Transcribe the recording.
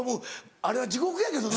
あれは地獄やけどな。